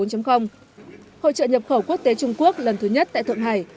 hội trợ nhập khẩu quốc tế trung quốc lần thứ nhất tại thượng hải